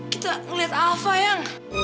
kita melihat alva yang